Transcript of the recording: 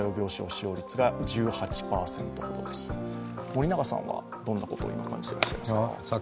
森永さんは、どんなことを今、感じてらっしゃいますか。